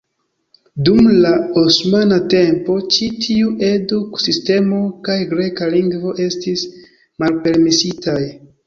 Dum la osmana tempo ĉi tiu eduk-sistemo kaj greka lingvo estis malpermesitaj.